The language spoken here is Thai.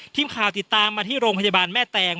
ทีมข่าวติดตามมาที่โรงพยาบาลแม่แตง